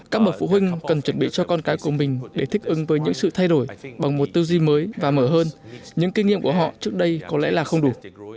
các bậc phụ huynh cần chuẩn bị cho con cái của mình để thích ứng với những sự thay đổi bằng một tư duy mới và mở hơn những kinh nghiệm của họ trước đây có lẽ là không đủ